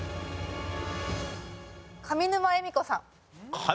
上沼恵美子さん